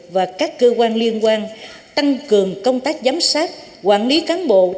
và các cơ quan liên quan tăng cường công tác giám sát quản lý cán bộ